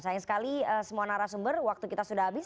sayang sekali semua narasumber waktu kita sudah habis